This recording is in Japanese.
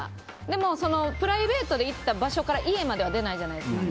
でもプライベートで行った場所から家までは出ないじゃないですか。